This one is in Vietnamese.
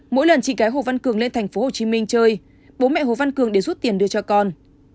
mỗi lần chỉ cái hồ văn cường lên thành phố hồ chí minh chơi bố mẹ hồ văn cường để rút tiền đưa cho con